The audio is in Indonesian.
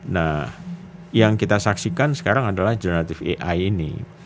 nah yang kita saksikan sekarang adalah jonatif ai ini